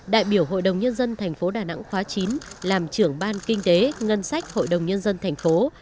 đại biểu hội đồng nhân dân thành phố đà nẵng khóa chín làm trưởng ban kinh tế ngân sách hội đồng nhân dân thành phố